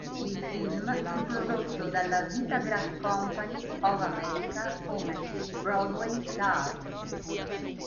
Il film fu prodotto dalla Vitagraph Company of America come Broadway Star.